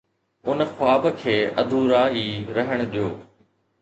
ان خواب کي ادھورا ئي رهڻ ڏيو.